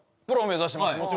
プロ目指してます